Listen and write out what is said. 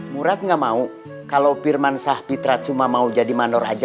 murad enggak mau kalau pirman sahpitra cuma mau jadi manor aja